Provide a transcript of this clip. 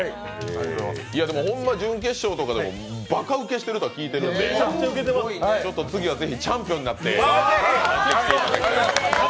でもホンマ、準決勝でもバカ受けしてると聞いてるんで、次はぜひチャンピオンになって来ていただきたい。